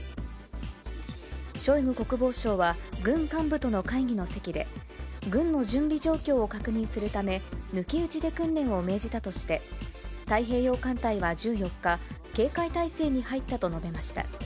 ショイグ国防相は、軍幹部との会議の席で、軍の準備状況を確認するため、抜き打ちで訓練を命じたとして、太平洋艦隊は１４日、警戒態勢に入ったと述べました。